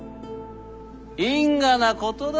因果なことだ。